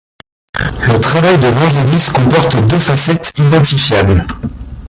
Le travail de Vangelis comporte deux facettes identifiables.